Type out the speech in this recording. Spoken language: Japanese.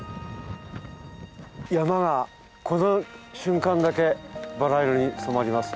山がこの瞬間だけバラ色に染まります。